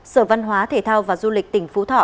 sở văn hóa thể thao và du lịch tỉnh phú thọ